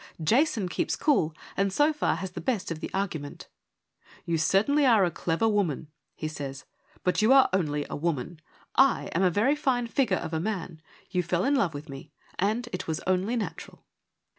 Jason keeps cool and so far has the best of the argument. 1 You certainly are a clever woman,' he says, ' but you are only a woman. I am a very fine figure of a man : you fell in love with me ; and it was only natural.'